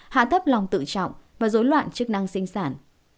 hạ thấp lòng tự trọng và dối loạn chức năng sinh sản